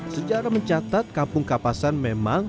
sejarah mencatat kampung kapasan memang